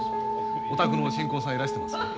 お宅の新婚さんいらしてますよ。